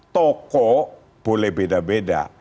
toko boleh beda beda